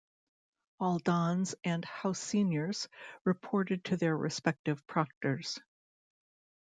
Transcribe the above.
All Dons and House Seniors reported to their respective Proctors.